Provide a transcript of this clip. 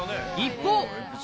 一方。